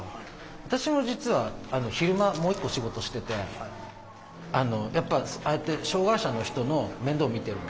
私も実は昼間もう一個仕事しててあのやっぱああやって障害者の人の面倒見てるの。